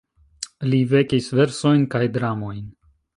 Li vekis versojn kaj dramojn.